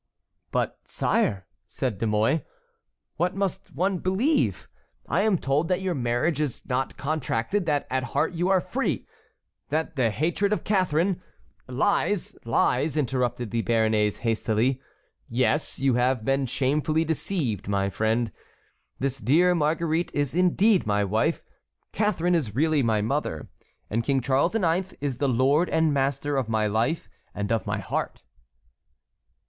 "But, sire," said De Mouy, "what must one believe? I am told that your marriage is not contracted, that at heart you are free, that the hatred of Catharine"— "Lies, lies," interrupted the Béarnais hastily. "Yes, you have been shamefully deceived, my friend; this dear Marguerite is indeed my wife, Catharine is really my mother, and King Charles IX. is the lord and master of my life and of my heart."